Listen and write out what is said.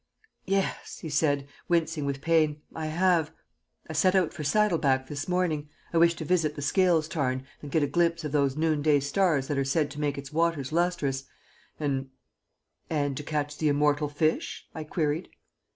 "Yes," he said, wincing with pain, "I have. I set out for Saddleback this morning I wished to visit the Scales Tarn and get a glimpse of those noonday stars that are said to make its waters lustrous, and " "And to catch the immortal fish?" I queried.